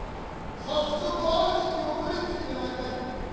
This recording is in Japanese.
早速主にお取り次ぎ願いたい。